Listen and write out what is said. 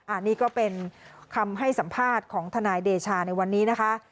อันนี้ก็เป็นคำให้สัมภาษณ์ของทนายเดชาในวันนี้นะคะ